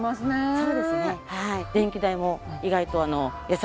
そうですねはい。